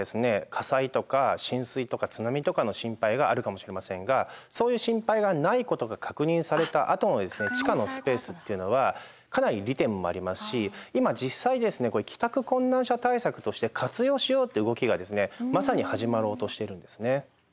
火災とか浸水とか津波とかの心配があるかもしれませんがそういう心配がないことが確認されたあとの地下のスペースっていうのはかなり利点もありますし今実際ですねこれ帰宅困難者対策として活用しようって動きがまさに始まろうとしているんですね。